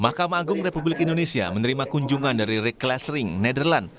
makam agung republik indonesia menerima kunjungan dari reklas ring nederland